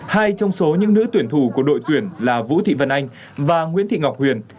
hai trong số những nữ tuyển thủ của đội tuyển là vũ thị vân anh và nguyễn thị ngọc huyền